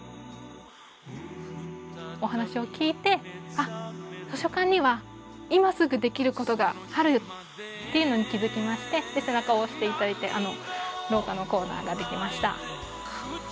お話を聞いて「あっ図書館には今すぐできることがある」っていうのに気付きまして背中を押して頂いてあの廊下のコーナーができました。